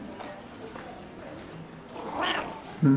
うん。